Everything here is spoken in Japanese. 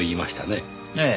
ええ。